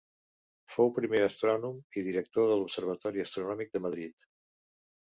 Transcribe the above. Fou primer astrònom i director de l'Observatori Astronòmic de Madrid.